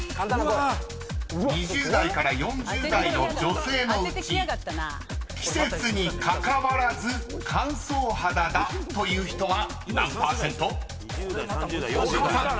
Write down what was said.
［さあ２０代から４０代の女性季節にかかわらず乾燥肌の人は？］